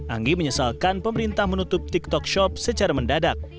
anggi menyesalkan pemerintah menutup tiktok shop secara mendadak